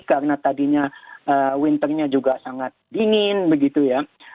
karena tadinya winternya juga sangat dingin begitu ya